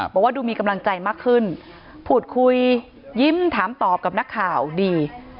บอกว่าดูมีกำลังใจมากขึ้นพูดคุยยิ้มถามตอบกับนักข่าวดี